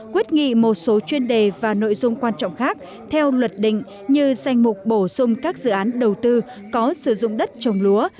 quyết nghị một số chuyên đề và nội dung quan trọng khác theo luật định như danh mục bổ sung các dự án đầu tư có sử dụng đất trồng lúa